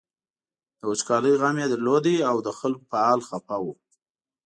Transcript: د وچکالۍ غم یې درلود او د خلکو په حال خپه و.